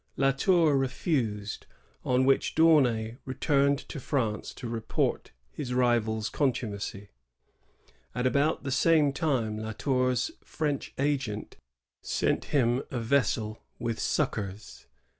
La Tour refused, on which D'Aunay returned to France to report his rival's contumacy. At about the same time La Tour's French agent sent him a vessel with succors.